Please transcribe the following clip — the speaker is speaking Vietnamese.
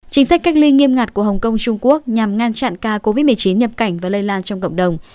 chính sách cách ly nghiêm ngặt của hồng kông trung quốc nhằm ngăn chặn ca covid một mươi chín nhập cảnh và lây lan trong cộng đồng